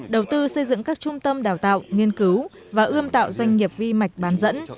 đầu tư xây dựng các trung tâm đào tạo nghiên cứu và ươm tạo doanh nghiệp vi mạch bán dẫn